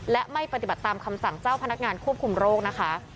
และไม่ปฏิบัติตามคำสั่งเจ้าพนักงานควบคุมโรคนะคะ